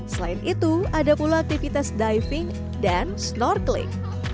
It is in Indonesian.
selain itu ada pula aktivitas diving dan snorkeling